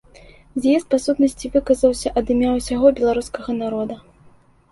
З'езд па сутнасці выказаўся ад імя ўсяго беларускага народа.